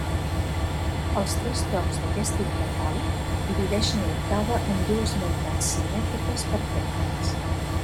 Els tres tons d'aquest interval divideixen l'octava en dues meitats simètriques perfectes.